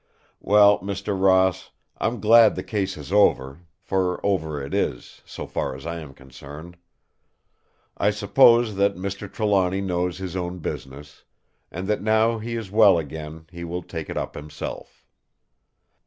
Well, Mr. Ross, I'm glad the case is over; for over it is, so far as I am concerned. I suppose that Mr. Trelawny knows his own business; and that now he is well again, he will take it up himself.